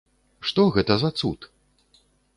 Што гэта за цуд?